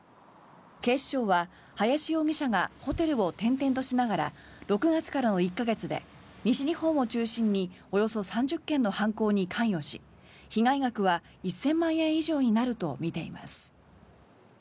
警視庁は林容疑者がホテルを転々としながら６月からの１か月で西日本を中心におよそ３０件の犯行に関与し被害額は１０００万円以上になるとみています。